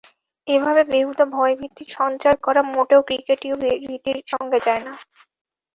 এভাবে বেহুদা ভয়ভীতির সঞ্চার করা মোটেও ক্রিকেটীয় রীতির সঙ্গে যায় না।